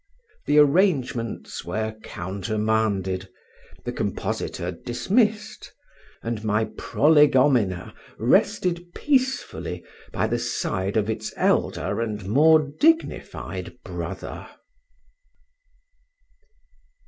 The arrangements were countermanded, the compositor dismissed, and my "Prolegomena" rested peacefully by the side of its elder and more dignified brother.